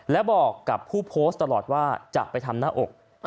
และบอกกับผู้โพสต์ตลอดว่าจะไปทำหน้าอก